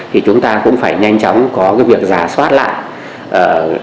thì chúng ta cũng phải nhanh chóng có cái việc giả soát lại